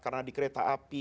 karena di kereta api